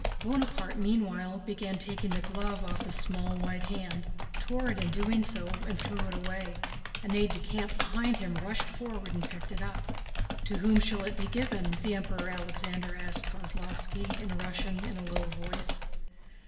Bonaparte meanwhile began taking the glove off his small white hand, tore it in doing so, and threw it away. An aide de camp behind him rushed forward and picked it up. "To whom shall it be given?" the Emperor Alexander asked Kozlóvski, in Russian in a low voice.